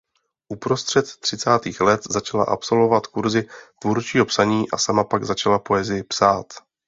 Uprostřed třicátých let začala absolvovat kurzy tvůrčího psaní a sama pak začala poezii psát.